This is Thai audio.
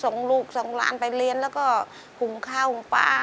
ส่งลูกส่งหลานไปเรียนแล้วก็หุงข้าวของป้า